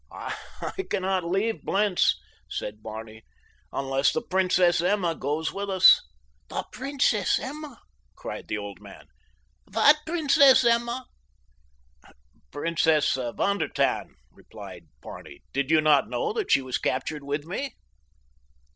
"I cannot leave Blentz," said Barney, "unless the Princess Emma goes with us." "The Princess Emma!" cried the old man. "What Princess Emma?" "Princess von der Tann," replied Barney. "Did you not know that she was captured with me!"